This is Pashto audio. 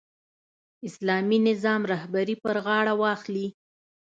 اسلامي نظام رهبري پر غاړه واخلي.